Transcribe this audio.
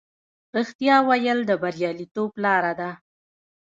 رښتیا ویل د بریالیتوب لاره ده.